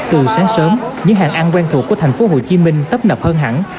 từ sáng sớm những hàng ăn quen thuộc của tp hcm tấp nập hơn hẳn